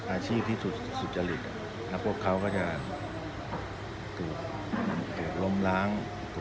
อาชีพที่สุดสุจริตแล้วพวกเขาก็จะก็จะล้มล้าง